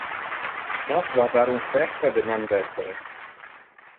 Nos va dar un festa deman vespere.